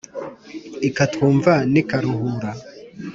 Ikatwumva n'i Karuhura.